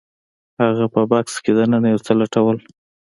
هغه په بکس کې دننه یو څه لټول